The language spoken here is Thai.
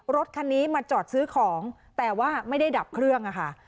รถคันนี้มาจอดซื้อของแต่ว่าไม่ได้ดับเครื่องอะค่ะ